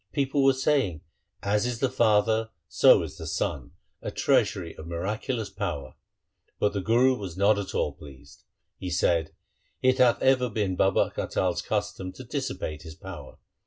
People were saying, ' As is the father, so is the son, a treasury of miraculous power.' But the Guru was not at all pleased. He said, ' It hath ever been Baba Atal's custom to dissipate his power.